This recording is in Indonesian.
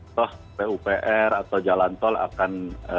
toh pupr atau jalantol akan